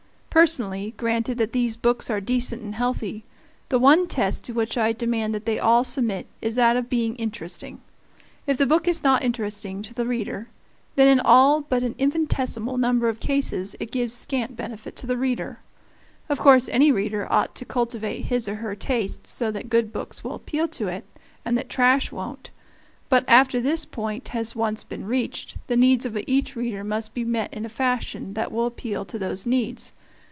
Personally, granted that these books are decent and healthy, the one test to which I demand that they all submit is that of being interesting. If the book is not interesting to the reader, then in all but an infinitesimal number of cases it gives scant benefit to the reader. Of course any reader ought to cultivate his or her taste so that good books will appeal to it, and that trash won't. But after this point has once been reached, the needs of each reader must be met in a fashion that will appeal to those needs.